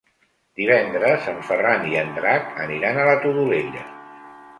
Divendres en Ferran i en Drac aniran a la Todolella.